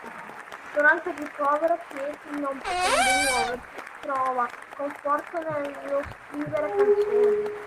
Durante il ricovero Kate, non potendo muoversi, trova conforto nello scrivere canzoni.